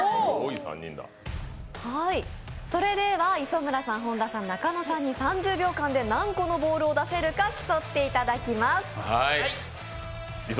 磯村さん、本田さん、中野さんに３０秒間で何個のボールを出せるか競っていただきます。